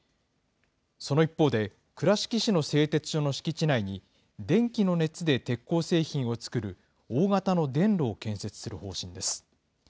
その一方で、倉敷市の製鉄所の敷地内に電気の熱で鉄鋼製品を作る大型の電炉を建設する方針です。